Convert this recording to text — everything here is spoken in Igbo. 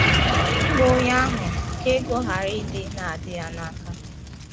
ime onye ahụ ka ego ghara ịdị na-adị ya n'aka